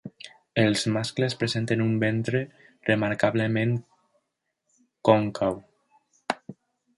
Els mascles presenten un ventre remarcablement còncau.